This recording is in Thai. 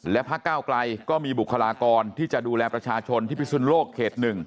และพระเก้าไกลก็มีบุคลากรที่จะดูแลประชาชนที่พิสุนโลกเขต๑